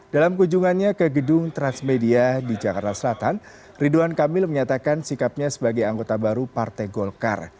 dalam kunjungannya ke gedung transmedia di jakarta selatan ridwan kamil menyatakan sikapnya sebagai anggota baru partai golkar